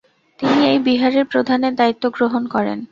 তিনি এই বিহারের প্রধানের দায়িত্ব গ্রহণ করেন।